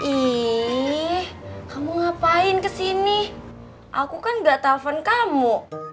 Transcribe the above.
ih kamu ngapain kesini aku kan gak telpon kamu